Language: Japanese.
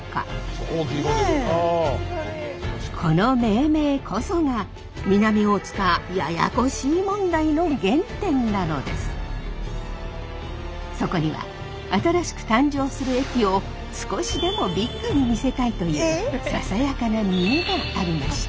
この命名こそがそこには新しく誕生する駅を少しでも「Ｂｉｇに見せたい」というささやかな見栄がありました。